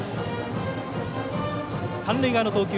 三塁側の投球